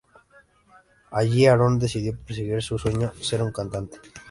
Allí Aron decidió perseguir su sueño; ser un cantante.